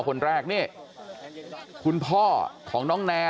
กลับไปลองกลับ